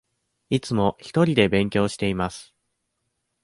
いつもひとりで勉強しています。